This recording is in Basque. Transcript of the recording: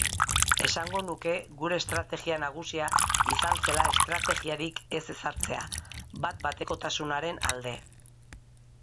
Esango nuke gure estrategia nagusia izan zela estrategiarik ez ezartzea, bat-batekotasunaren alde.